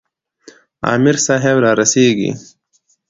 امیر صاحب را رسیږي.